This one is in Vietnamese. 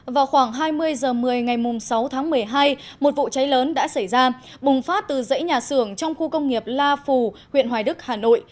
vào khoảng hai mươi h một mươi ngày sáu tháng một mươi hai một vụ cháy lớn đã xảy ra bùng phát từ dãy nhà xưởng trong khu công nghiệp la phù huyện hoài đức hà nội